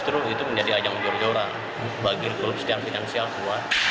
terus itu menjadi ajang jor jora bagi klub secara finansial semua